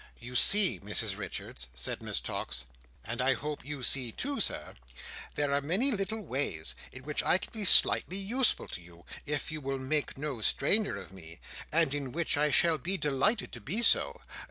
"You see, Mrs Richards," said Miss Tox—"and I hope you see too, Sir—there are many little ways in which I can be slightly useful to you, if you will make no stranger of me; and in which I shall be delighted to be so.